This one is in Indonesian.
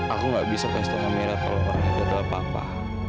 aku nggak bisa kasih tau aminah kalau ada apa apa